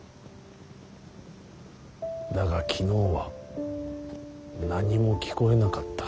だが昨日は何も聞こえなかった。